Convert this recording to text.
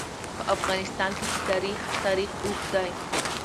په افغانستان کې د تاریخ تاریخ اوږد دی.